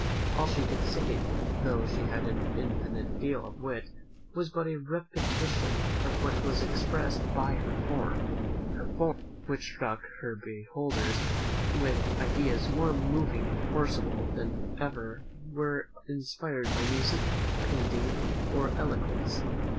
All she could say, though she had an infinite deal of wit, was but a repetition of what was expressed by her form; her form! which struck her beholders with ideas more moving and forcible than ever were inspired by music, painting, or eloquence."